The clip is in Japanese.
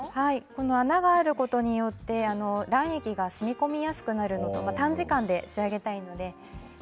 穴があることで卵液がしみこみやすくなること短時間で仕上げたいので。